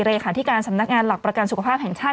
เลขาธิการสำนักงานหลักประกันสุขภาพแห่งชาติ